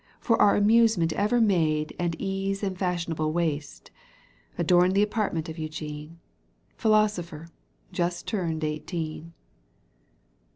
For our amusement ever made And ease and fashionable waste, — Adorned the apartment of Eugene, Philosopher just turned eighteen.